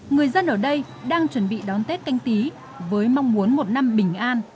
người dân ở đây đang chuẩn bị đón tết canh tí với mong muốn một năm bình an